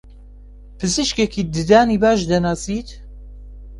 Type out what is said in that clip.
پزیشکێکی ددانی باش دەناسیت؟